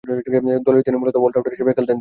দলে তিনি মূলতঃ অল-রাউন্ডার হিসেবে খেলতেন তিনি।